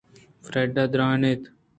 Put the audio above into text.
فریڈاءَدرّائینت